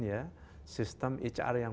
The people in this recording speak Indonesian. ya sistem hr yang